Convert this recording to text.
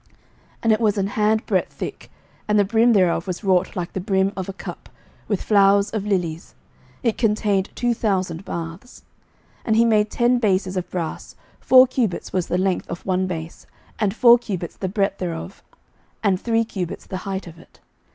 11:007:026 And it was an hand breadth thick, and the brim thereof was wrought like the brim of a cup, with flowers of lilies: it contained two thousand baths. 11:007:027 And he made ten bases of brass; four cubits was the length of one base, and four cubits the breadth thereof, and three cubits the height of it.